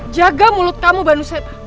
jaga mulut kamu banuseta